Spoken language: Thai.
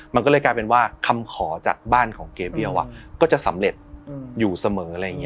มันก็เลยกลายเป็นว่าคำขอจากบ้านของเกเบี้ยวก็จะสำเร็จอยู่เสมออะไรอย่างนี้